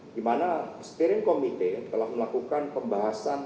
di mana steering committee telah melakukan pembahasan